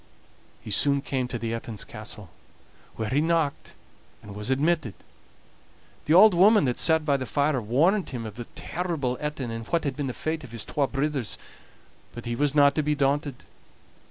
He soon came to the Etin's castle, where he knocked, and was admitted. The auld woman that sat by the fire warned him of the terrible Etin, and what had been the fate of the twa brithers; but he was not to be daunted.